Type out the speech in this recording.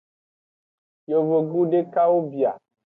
Yovogbu dekawo bia.